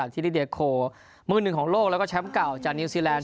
ที่ลิเดียโคมือหนึ่งของโลกแล้วก็แชมป์เก่าจากนิวซีแลนด